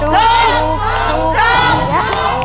ต้องน่ะคะ